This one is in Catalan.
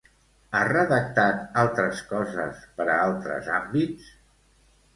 Ha redactat altres coses per a altres àmbits?